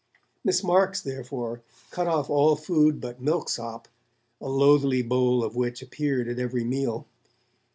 Miss Marks, therefore, cut off all food but milk sop, a loathly bowl of which appeared at every meal.